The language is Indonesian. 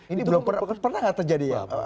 ini belum pernah nggak terjadi apa